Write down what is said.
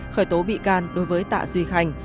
khởi tố bị can đối với tạ duy khanh